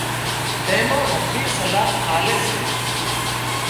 تين منين هڌري صلاح آلي سي